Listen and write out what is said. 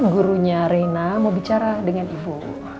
gurunya reina mau bicara dengan ibu